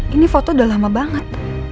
ini foto udah lama banget